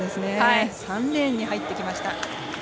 ３レーンに入ってきました。